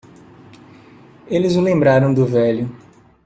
Eles o lembraram do velho.